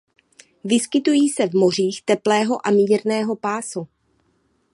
Vyskytují se v mořích teplého a mírného pásu.